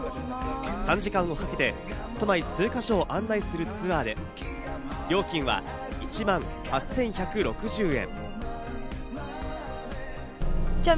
３時間をかけて都内数か所を案内するツアーで、料金は１万８１６０円。